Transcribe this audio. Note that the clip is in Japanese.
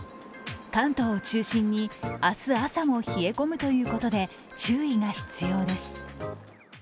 関東を中心に明日朝も冷え込むということで注意が必要です。